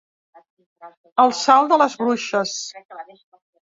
El salt de les bruixes.